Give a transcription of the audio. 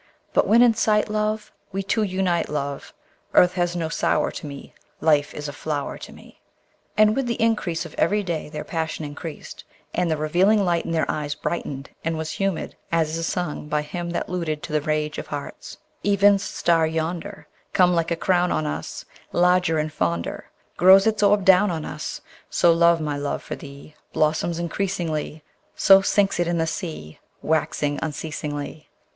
But when in sight, love, We two unite, love, Earth has no sour to me; Life is a flower to me! And with the increase of every day their passion increased, and the revealing light in their eyes brightened and was humid, as is sung by him that luted to the rage of hearts: Evens star yonder Comes like a crown on us, Larger and fonder Grows its orb down on us; So, love, my love for thee Blossoms increasingly; So sinks it in the sea, Waxing unceasingly.